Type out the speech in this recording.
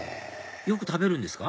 よく食べるんですか？